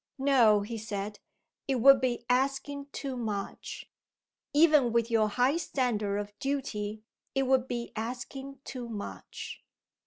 "No!" he said. "It would be asking too much. Even with your high standard of duty, it would be asking too much."